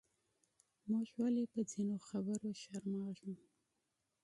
موږ ولې پۀ ځینو خبرو شرمېږو؟